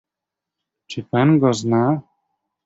"Czy pan go zna?"